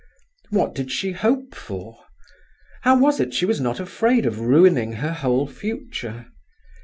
What did she hope for? How was it she was not afraid of ruining her whole future?